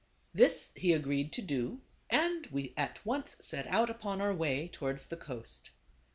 This he agreed to do, and we at once set out upon our way towards the coast.